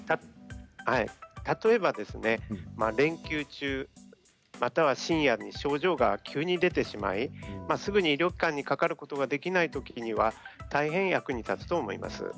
例えば、連休中や深夜に症状が急に出てしまいすぐに医療機関にかかることができないときには大変、役に立つと思います。